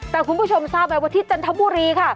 แต่คุณผู้ชมทราบไหมว่าที่จันทบุรีค่ะ